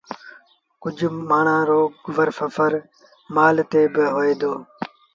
ڪجه مآڻهآݩ رو گزر سڦر مآل تي بآ هوئي دو